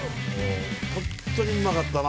本当にうまかったな。